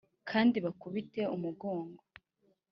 kandi bakubite umugongo